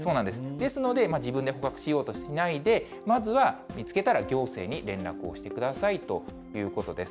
ですので、自分で捕獲しようとしないでまずは見つけたら行政に連絡をしてくださいということです。